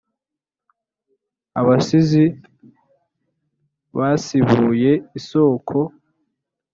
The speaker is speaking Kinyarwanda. abasizi basibuye isoko.